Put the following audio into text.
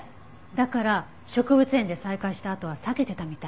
だから植物園で再会したあとは避けてたみたい。